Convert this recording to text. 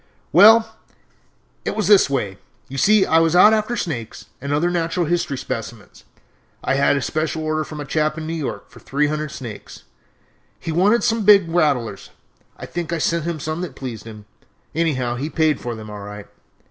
"Well, it was this way: you see I was out after snakes and other natural history specimens. I had a special order from a chap in New York for three hundred snakes he wanted some big rattlers. I think I sent him some that pleased him; anyhow he paid for them all right.